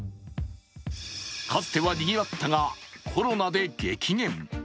かつてはにぎわったがコロナで激減。